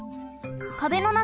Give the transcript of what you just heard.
壁の中